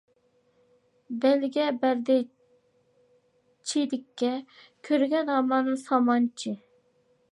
بەلگە بەردى چېرىككە، كۆرگەن ھامان سامانچى.